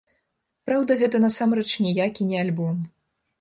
Праўда, гэта, насамрэч, ніякі не альбом.